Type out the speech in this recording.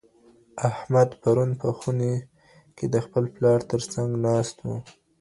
احمد پرون په خوني کي د خپل پلار تر څنګ ناست و.